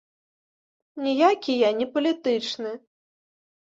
Ніякі я не палітычны.